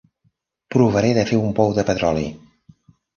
Provaré de fer un pou de petroli.